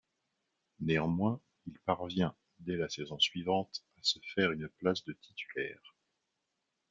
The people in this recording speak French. Néanmoins, il parvient, dès la saison suivante, à se faire une place de titulaire.